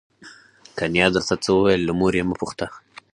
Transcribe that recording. که نیا درته څه وویل له مور یې مه پوښته.